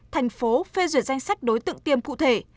thành phố phê duyệt danh sách đối tượng tiêm cụ thể